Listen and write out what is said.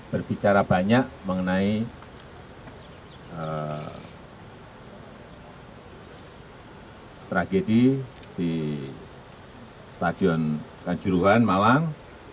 berbicara banyak mengenai tragedi di stadion kanjuruhan malang